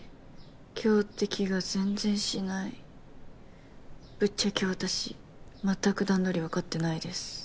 今日って気が全然しないぶっちゃけ私全く段取り分かってないです